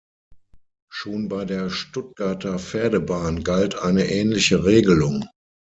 Schon bei der Stuttgarter Pferdebahn galt eine ähnliche Regelung.